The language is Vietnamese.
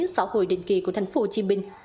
xã hội định kỳ của thành phố hồ chí minh